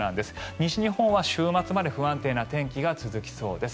西日本は週末まで不安定な天気が続きそうです。